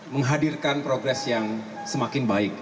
menghadirkan progres yang semakin baik